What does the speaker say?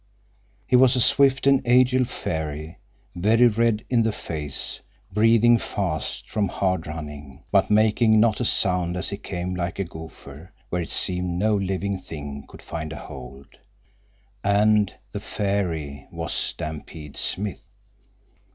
He was a swift and agile fairy, very red in the face, breathing fast from hard running, but making not a sound as he came like a gopher where it seemed no living thing could find a hold. And the fairy was Stampede Smith.